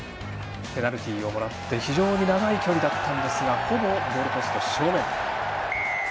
ペナルティーをもらって非常に長い距離だったんですがほぼゴールポスト正面。